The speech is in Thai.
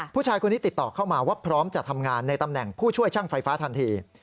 ผู้ชายคนนี้ติดต่อเข้ามาว่าพร้อมจะทำงานในตำแหน่งผู้ช่วยช่างไฟฟ้าทันที